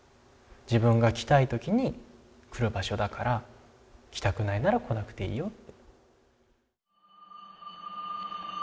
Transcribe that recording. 「自分が来たい時に来る場所だから来たくないなら来なくていいよ」。